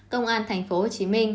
công an tp hcm